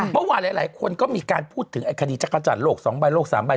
เมื่อวานหลายคนก็มีการพูดถึงไอ้คดีจักรจัดโหลกสองใบโหลกสามใบ